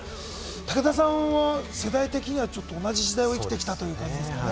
武田さんは世代的には同じ時代を生きてきたということですかね。